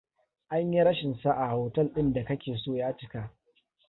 An yi rashin sa'a hotel ɗin da ka ke so ya cika.